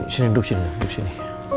sini duduk sini